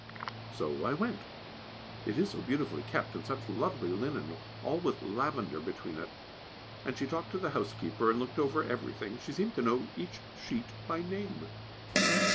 So I went. It is so beautifully kept, and such lovely linen, all with lavender between it; and she talked to the housekeeper, and looked over everything she seemed to know each sheet by name!